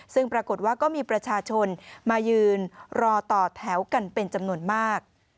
ซึ่งปรากฏว่าก็มีประชาชนมายืนรอต่อแถวกันเป็นจำนวนมาก